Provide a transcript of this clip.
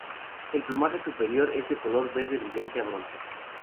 El plumaje superior es de color verde brillante a bronce.